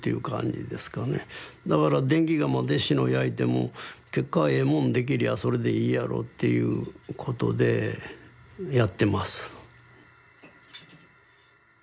だから電気窯で志野焼いても結果ええもんできりゃあそれでいいやろっていうことでやってます。